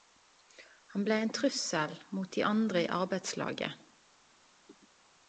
Han blei ein trussel mod de andre i arbeidslaget.